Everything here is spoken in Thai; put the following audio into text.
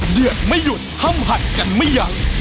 เดือดไม่หยุดห้ามหัดกันไม่ใหญ่